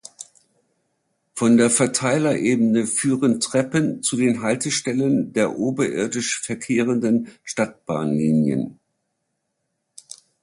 Von der Verteilerebene führen Treppen zu den Haltestellen der oberirdisch verkehrenden Stadtbahnlinien.